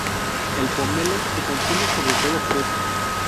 El pomelo se consume sobre todo fresco.